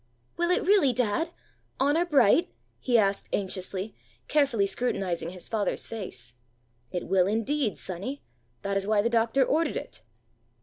'Will it really, dad; honour bright?' he asked anxiously, carefully scrutinizing his father's face. 'It will indeed, sonny; that is why the doctor ordered it.'